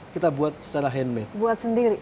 kita buat secara handmade buat sendiri